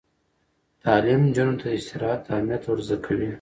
تعلیم نجونو ته د استراحت اهمیت ور زده کوي.